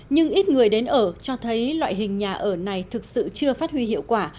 nhưng ít người đến ở cho thấy loại hình nhà ở này thực sự chưa phát huy hiệu quả